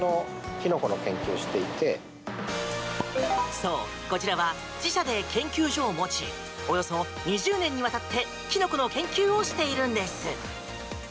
そう、こちらは自社で研究所を持ちおよそ２０年にわたってキノコの研究をしているんです。